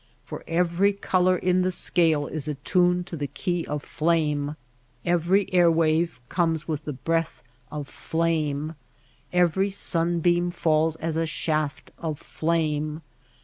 For every color in the scale is attuned to the key of flame, every air wave comes with the breath of flame, every sunbeam falls as a shaft of flame.